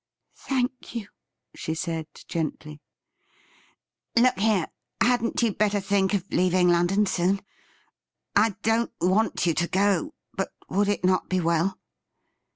' Thank you,' she said gently. ' Look here, hadn't you better think of leaving London soon ? I don't want you to go, but would it not be well